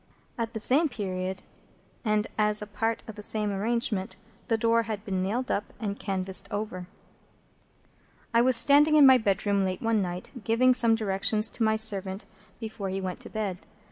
At the same period, and as a part of the same arrangement,—the door had been nailed up and canvased over. I was standing in my bedroom late one night, giving some directions to my servant before he went to bed.